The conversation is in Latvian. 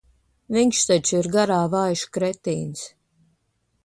Viņš taču ir garā vājš kretīns.